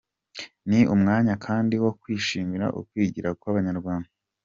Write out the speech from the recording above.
Ni umwanya kandi wo kwishimira ukwigira kw’abanyarwanda.